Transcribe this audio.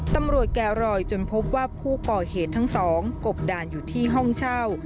ตำรวจแก่รอยจนพบว่าผู้ก่อเหตุทั้งสองกบดานอยู่ที่ห้องเช่า